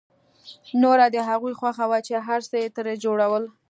نوره د هغوی خوښه وه چې هر څه یې ترې جوړول